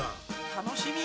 楽しみ！